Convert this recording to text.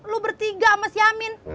lu bertiga sama si amin